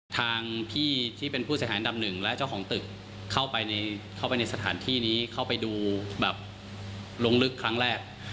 ทางพี่ที่เป็นผู้เสียหายอันดับหนึ่งและเจ้าของตึกเข้าไปในสถานที่นี้เข้าไปดูแบบลงลึกครั้งแรก